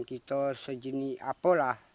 kita sejenis apalah